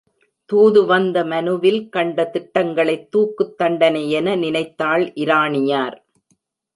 தூது வந்த மனுவில் கண்ட திட்டங்களைத் தூக்குத் தண்டனையென நினைத்தாள் இராணியார்.